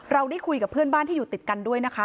เราได้คุยกับเพื่อนบ้านที่อยู่ติดกันด้วยนะคะ